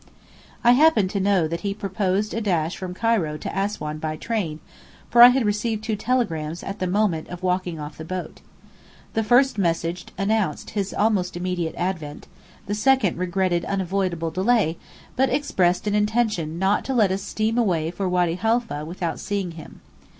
I happened to know that he proposed a dash from Cairo to Assuan by train, for I had received two telegrams at the moment of walking off the boat. The first message announced his almost immediate advent; the second regretted unavoidable delay, but expressed an intention not to let us steam away for Wady Halfa without seeing him.